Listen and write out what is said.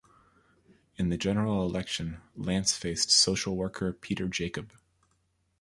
In the general election, Lance faced social worker Peter Jacob.